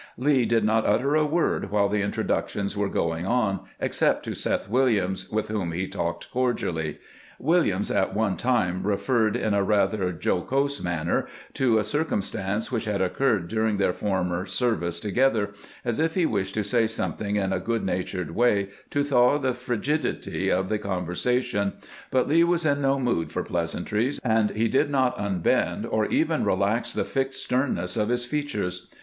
Lee did not utter a word while the introductions were going on, except to Seth Williams, with whom he talked cordially, Williams at one time referred in a rather 31 482 CAMPAIGNING WITH GEANT jocose manner to a circumstance "which had occurred during their former service together, as if he wished to say something in a good natured way to thaw the fri gidity of the conversation ; but Lee was in no mood for pleasantries, and he did not unbend, or even relax the fixed sternness of his features.